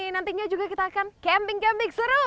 nantinya juga kita akan camping camping seru